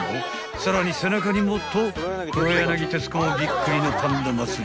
［さらに背中にもと黒柳徹子もびっくりのパンダ祭り］